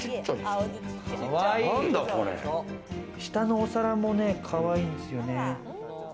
下のお皿も、かわいいんすよね。